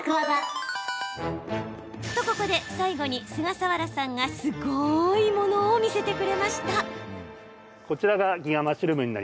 と、ここで最後に菅佐原さんがすごいものを見せてくれました。